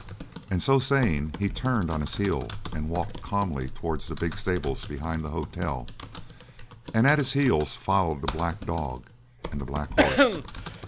And so saying he turned on his heel and walked calmly towards the big stables behind the hotel and at his heels followed the black dog and the black horse.